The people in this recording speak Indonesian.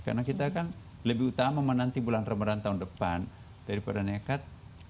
karena kita kan lebih utama menanti bulan remeran tahun depan daripada nekat